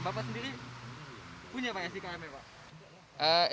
bapak sendiri punya pak sikm ya pak